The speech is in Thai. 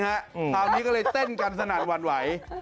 ตามนี้เค้าเลยเต้นกันสนั่นว่าไหว